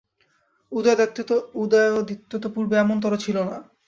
উদয়াদিত্য তো পূর্বে এমনতরো ছিল না।